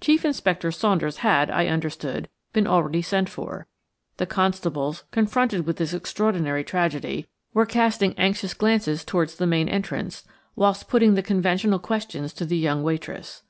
Chief Inspector Saunders had, I understood, been already sent for; the constables, confronted with this extraordinary tragedy, were casting anxious glances towards the main entrance, whilst putting the conventional questions to the young waitress.